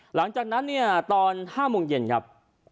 หลังจากนั้นเนี่ยตอน๕โมงเย็นครับ